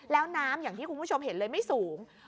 แล้วน้ำอย่างที่คุณผู้ชมเห็นเลยไม่สูง